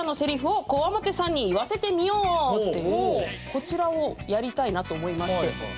こちらをやりたいなと思いまして。